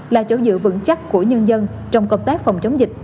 là chỗ dựa vững chắc của nhân dân trong công tác phòng chống dịch